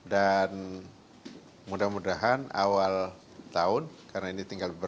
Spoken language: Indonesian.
dan mudah mudahan awal tahun karena ini tinggal kemudian